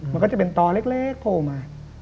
มันก็จะเป็นตอเล็กโผล่มา